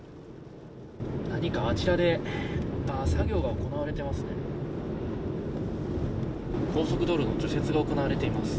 何かあちらで作業が行われてますね。